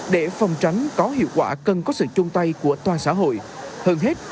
để phòng tránh có hiệu quả cần có sự chung tay của toàn xã hội hơn hết